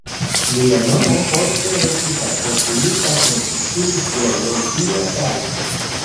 Lia nomo poste estis asociita kun ĉi tiu geologia trajto.